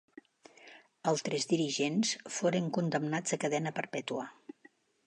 Altres dirigents foren condemnats a cadena perpètua.